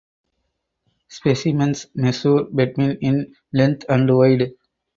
Specimens measure between in length and wide.